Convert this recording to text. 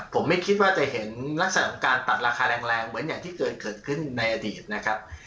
ผมไม่คิดว่าจะเห็นลักษณะของการตัดราคาแรงเหมือนอย่างที่เกิดเกิดขึ้นในอดีตนะครับ